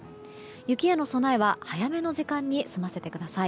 雪への備えは早めの時間に済ませてください。